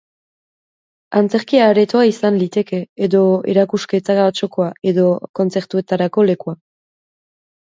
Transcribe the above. Antzerki aretoa izan liteke, edo erakusketa txokoa, edo kontzertuetarako lekua.